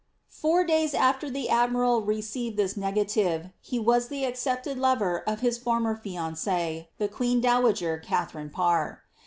'' Four days after the admiral received this negative, he was the ac cepted lover of his former fianc*t^ the queen dowager Katharine Ptnr.